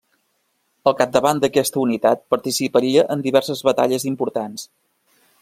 Al capdavant d'aquesta unitat participaria en diverses batalles importants.